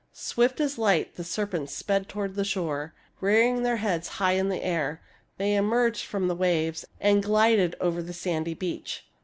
Swift as light the serpents sped toward the shore. Rear ing their heads high in the air, they emerged from the waves and glided over the sandy beach.